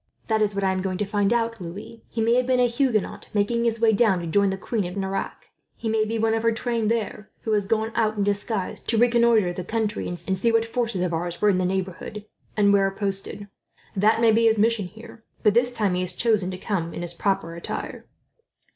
"That is what I am going to find out, Louis. He may have been a Huguenot, making his way down to join the Queen of Navarre at Nerac He may be one of her train there, who had gone out, in disguise, to reconnoitre the country and see what forces of ours were in the neighbourhood, and where posted. That may be his mission, here; but this time he has chosen to come in his proper attire."